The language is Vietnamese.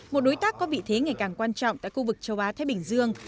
một đối tác có vị thế ngày càng quan trọng tại khu vực châu á thái bình dương